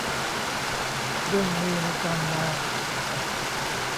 เครื่องมือในการมอง